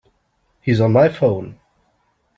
He's on my phone.